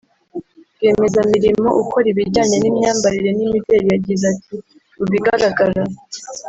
rwiyemezamirimo ukora ibijyanye n’imyambarire n’imideri yagize ati “Mu bigaragara